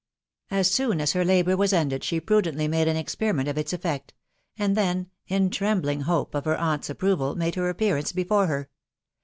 As soon as for labour was ended she prudently made an experiment of its effect ; and then, 'in " trembling hope" of her aunt's approval, made 'her appearance before 'her.